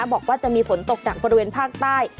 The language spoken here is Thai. บอกว่าจะมีฝนตกหนักบริเวณภาคใต้